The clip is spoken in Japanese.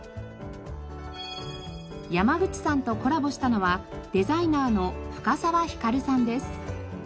山口さんとコラボしたのはデザイナーの深沢光さんです。